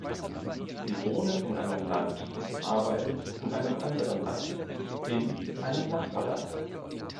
Sie wohnen in einem Land und arbeiten in einem anderen Land, in einem Nachbarland.